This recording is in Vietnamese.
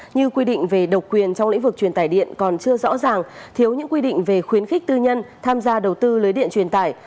như quy định về độc quyền trong lĩnh vực truyền tải điện còn chưa rõ ràng thiếu những quy định về khuyến khích tư nhân tham gia đầu tư lưới điện truyền tải